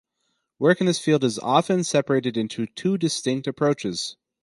Work in this field is often separated into two distinct approaches.